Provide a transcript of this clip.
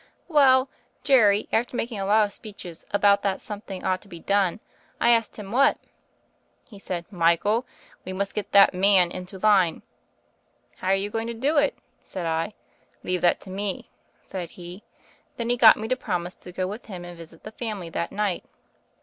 "Well, Jerry, after making a lot of speeches said that something ought to be done. I asked him, what? He said, 'Michael, we must get the man into line.' *How are you going to do it ?' said I. 'Leave that to me,' said he. Then he got me to promise to go with him and visit the family that night.